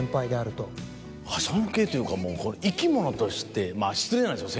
尊敬というかもう生き物として失礼なんですよ